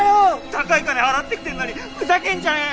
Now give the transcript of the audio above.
高い金払って来てんのにふざけんじゃねぇ！